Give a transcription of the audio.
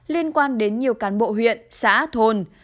liên quan đến nhiều cán bộ huyện xã thôn